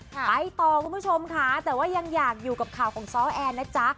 ไปต่อคุณผู้ชมค่ะแต่ว่ายังอยากอยู่กับข่าวของซ้อแอนนะจ๊ะ